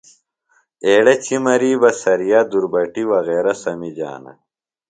ایڑے چِمری بہ سریہ دُربٹی وغیرہ سمِجِانہ۔